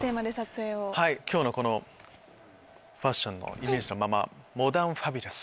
今日のこのファッションのイメージのままモダン・ファビュラス。